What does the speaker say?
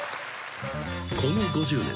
［この５０年。